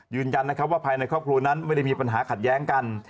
ยืนยันว่าภายในครอบครองนั้นไม่มีปัญหาขัดแย้งกัน